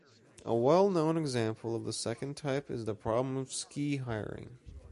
A well-known example of the second type is the problem of ski hiring.